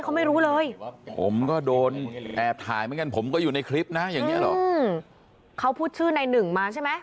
เขาไม่รู้เลยผมก็โดนแอบถ่ายเหมือนกันผมก็อยู่ในคลิปนะอย่างเงี้เหรออืมเขาพูดชื่อในหนึ่งมาใช่ไหม